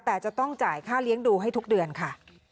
แต่จะต้องจ่ายค่าเลี้ยงดูให้ทุกเดือนค่ะ